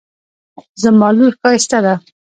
زما لور ښایسته ده